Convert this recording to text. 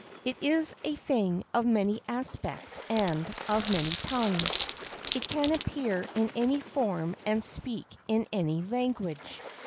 It is a thing of many aspects and of many tongues; it can appear in any form and speak in any language.